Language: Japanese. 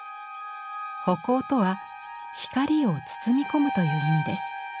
葆光とは「光を包み込む」という意味です。